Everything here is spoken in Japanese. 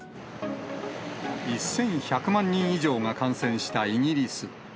１１００万人以上が感染したイギリス。